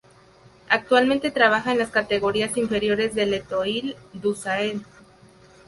Actualmente trabaja en las categorías inferiores del Étoile du Sahel.